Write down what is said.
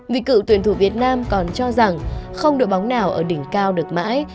vì cựu tuyển thủ việt nam còn cho rằng không đội bóng nào ở đỉnh cao được mãi